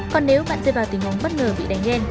còn nếu bạn rơi vào tình huống bất ngờ bị đánh lên